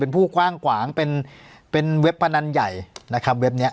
เป็นผู้กว้างขวางเป็นเว็บพนันใหญ่นะครับเว็บเนี้ย